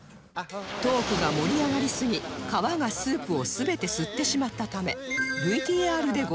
トークが盛り上がりすぎ皮がスープを全て吸ってしまったため